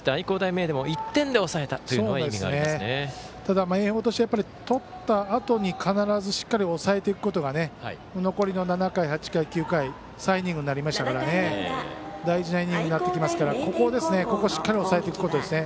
明豊としたは取ったあと必ずしっかり抑えていくことが残りの７回、８回、９回と３イニングになりましたから大事なイニングになってきますからここをしっかり抑えていくことですね。